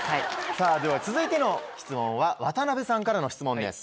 では続いての質問は渡辺さんからの質問です。